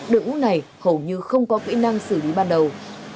đội ngũ này hầu như không có kỹ năng xử lý ban đầu